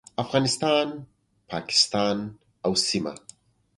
افغانستان، پاکستان او سیمه